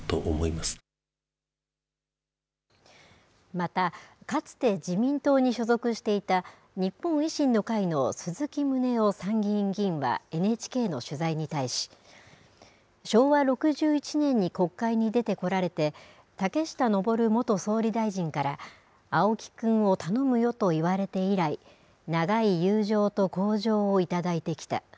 また、かつて自民党に所属していた、日本維新の会の鈴木宗男参議院議員は、ＮＨＫの取材に対し、昭和６１年に国会に出てこられて、竹下登元総理大臣から、青木君を頼むよと言われて以来、長い友情と厚情を頂いてきた。